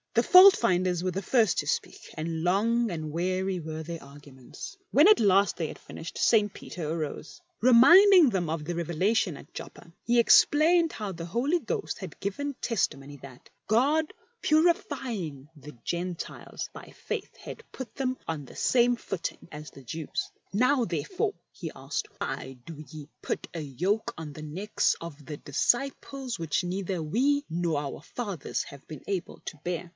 The fault finders were the first to speak, and long and weary were their arguments. When at last they had finished, St. Peter arose. Reminding them of the revelation at Joppa, he explained how the Holy Ghost had given testimony that, " God purifying the Gentiles by faith, had put them on the same footing as the Jews." " Now therefore," he asked, " why do ye put a yoke on the necks of the disciples which neither we nor our fathers have been able to bear?"